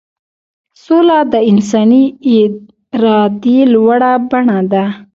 سوله د انساني ارادې لوړه بڼه ده.